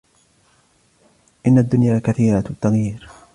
إنَّ الدُّنْيَا كَثِيرَةُ التَّغْيِيرِ